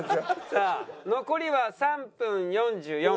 さあ残りは３分４４秒。